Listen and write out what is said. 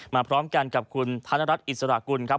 พร้อมกันกับคุณธนรัฐอิสระกุลครับ